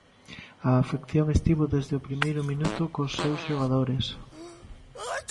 A afección estivo desde o primeiro minuto cos seus xogadores.